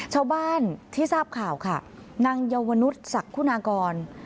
ชาวบ้านที่ทราบข่าวค่ะนางเยาวนุษย์ศักคุณากร